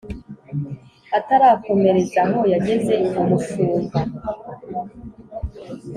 Atarakomereza aho yageze umushumba